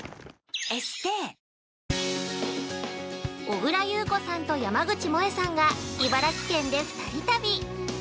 ◆小倉優子さんと山口もえさんが茨城県で２人旅。